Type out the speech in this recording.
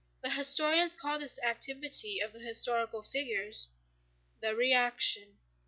The historians call this activity of the historical figures "the reaction."